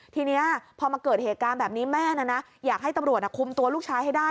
ทีนี้พอมาเกิดเหตุการณ์แบบนี้แม่นะนะอยากให้ตำรวจคุมตัวลูกชายให้ได้